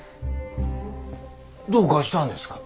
どうかしたんですか？